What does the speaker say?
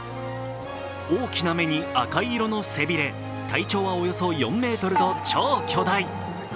大きな目に赤色の背びれ、体長はおよそ４ｍと超巨大。